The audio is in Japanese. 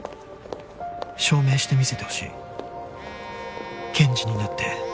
「証明してみせてほしい」「検事になって」